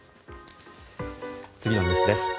次のニュースです。